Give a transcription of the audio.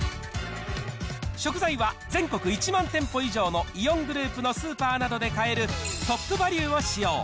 食材は全国１万店舗以上のイオングループのスーパーなどで買えるトップバリュを使用。